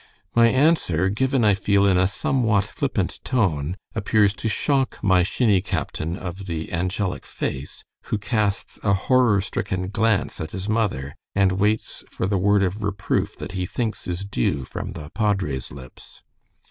My answer, given I feel in a somewhat flippant tone, appears to shock my shinny captain of the angelic face, who casts a honor stricken glance at his mother, and waits for the word of reproof that he thinks is due from the padre's lips.